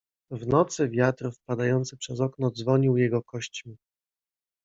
W nocy wiatr wpadający przez okno dzwonił jego kośćmi.